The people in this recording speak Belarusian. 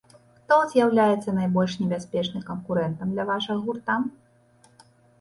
Хто з'яўляецца найбольш небяспечным канкурэнтам для вашага гурта?